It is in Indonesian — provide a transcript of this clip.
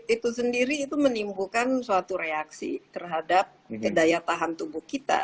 itu sendiri itu menimbulkan suatu reaksi terhadap daya tahan tubuh kita